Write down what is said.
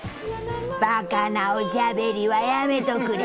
ばかなおしゃべりはやめとくれ。